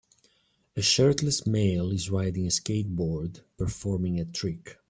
A shirtless male is riding a skateboard, performing a trick.